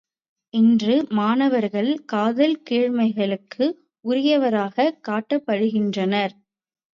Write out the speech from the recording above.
இன்று மாணவர்கள் காதல் கீழ்மைகளுக்கு உரியவராகக் காட்டப்படுகின்றனர்.